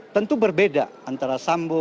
tentu berbeda antara sambo